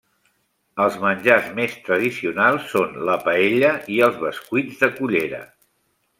Els menjars més tradicionals són la paella i els bescuits de cullera.